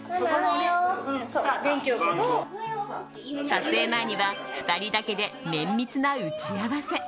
撮影前には、２人だけで綿密な打ち合わせ。